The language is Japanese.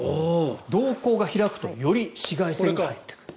瞳孔が開くとより紫外線が入ってくる。